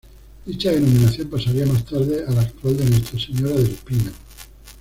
Dicha denominación pasaría más tarde a la actual de Nuestra Señora del Pino.